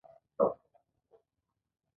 چې غواړي پر واک او سرچینو کنټرول ترلاسه کړي